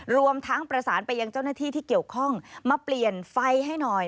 รวมทั้งประสานไปยังเจ้าหน้าที่ที่เกี่ยวข้องมาเปลี่ยนไฟให้หน่อย